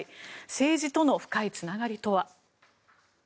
政治との深いつながりとは。